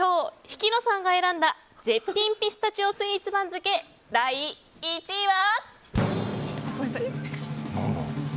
ヒキノさんが選んだ絶品ピスタチオスイーツ番付第１位は。